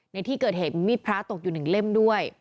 ในที่เกิดเหตุมีพระตกอยู่๑เล่มด้วย